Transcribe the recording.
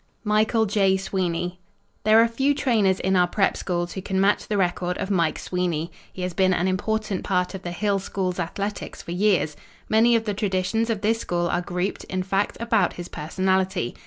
Michael J. Sweeney There are few trainers in our prep. schools who can match the record of Mike Sweeney. He has been an important part of the Hill School's athletics for years. Many of the traditions of this school are grouped, in fact, about his personality.